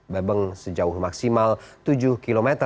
bebeng sejauh maksimal tujuh km